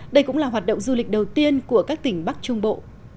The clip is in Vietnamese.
đây cũng là hoạt động du lịch đầu tiên của các tỉnh bắc trung bộ